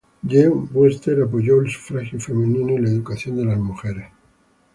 Jean Webster apoyó el sufragio femenino y la educación de las mujeres.